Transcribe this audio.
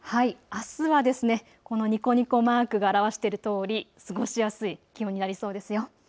あすはこのにこにこマークが表しているとおり過ごしやすい気温になりそうですよ。